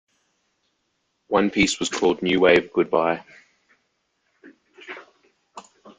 One piece was called "New Wave Goodbye".